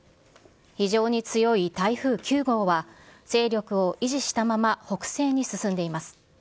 非常に強い台風９号は、勢力を維持したまま北西に進んでいます。